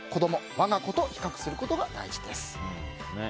我が子と比較することが大事です。